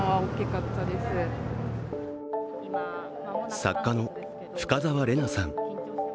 作家の深沢レナさん。